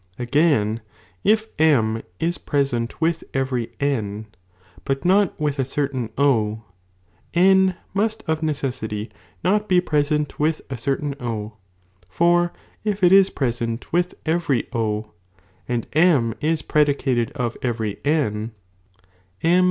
Again, if M is present with every N, but not with a certain O, N must of necessity not be present with a certain O, for if ii IB present with every O, and M is predicated of every N, ^ 2.